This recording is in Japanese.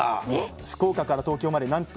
福岡から東京までなんと３５時間。